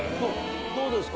どうですか？